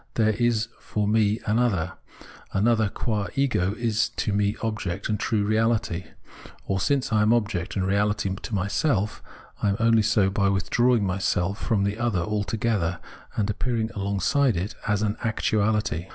there is for me an other ; an other qua ego is to me object and true reality : or since I am object and reality to myself, I am only so by my withdrawing myself from the other altogether and appearing alongside it as an actuality.